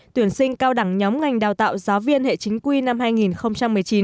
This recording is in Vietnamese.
tuyển sinh cao đẳng nhóm ngành đào tạo giáo viên hệ chính quy năm hai nghìn một mươi chín